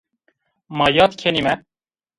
Ma yad kenîme